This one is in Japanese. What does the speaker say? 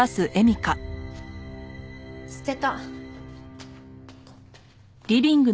捨てた。